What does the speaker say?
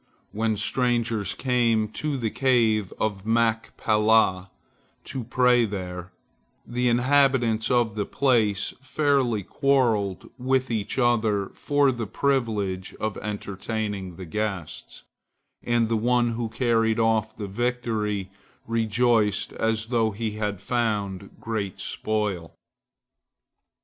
When strangers came to the Cave of Machpelah to pray there, the inhabitants of the place fairly quarrelled with each other for the privilege of entertaining the guests, and the one who carried off the victory rejoiced as though he had found great spoil.